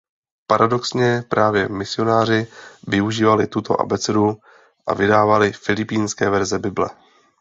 Paradoxně právě misionáři využívali tuto abecedu a vydávali filipínské verze Bible.